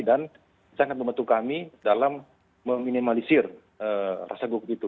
dan sangat membantu kami dalam meminimalisir rasa gugup itu